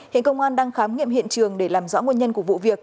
hiện công an đang khám nghiệm hiện trường để làm rõ nguyên nhân của vụ việc